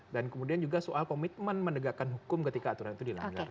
dan kemudian juga soal komitmen menegakkan hukum ketika aturan itu dilanggar